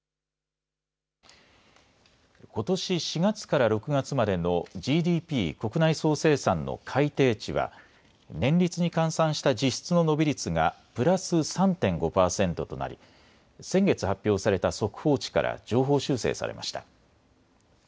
ことし４月から６月までのＧＤＰ・国内総生産の改定値は年率に換算した実質の伸び率がプラス３．５％となり先月発表された速報値から上方修正されました。